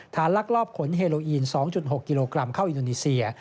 ลักลอบขนเฮโลอีน๒๖กิโลกรัมเข้าอินโดนีเซีย